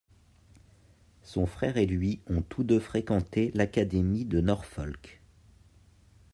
Son frère et lui ont tous deux fréquenté l'Académie de Norfolk.